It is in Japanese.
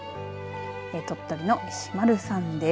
鳥取の石丸さんです。